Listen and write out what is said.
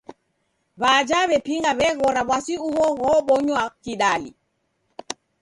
W'aja w'epinga w'eghora w'asi ugho ghobonywa kidali.